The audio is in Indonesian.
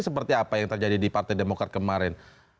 seperti apa yang terjadi di partai demokrat kemarin